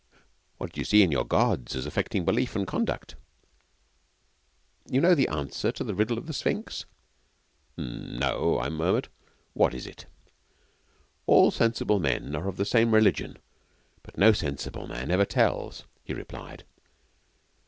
'What did you see in your Gods as affecting belief and conduct?' 'You know the answer to the riddle of the Sphinx?' 'No,' I murmured. 'What is it?' '"All sensible men are of the same religion, but no sensible man ever tells,"' he replied.